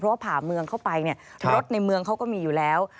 เพราะว่าผ่าเมืองเข้าไปเนี่ยรถในเมืองเขาก็มีอยู่แล้ว